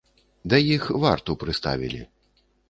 Да іх варту прыставілі.